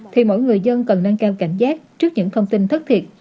thì mỗi người dân cần nâng cao cảnh giác trước những thông tin thất thiệt